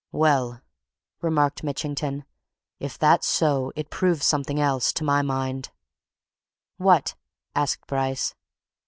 "Well," remarked Mitchington, "if that's so, it proves something else to my mind." "What!" asked Bryce.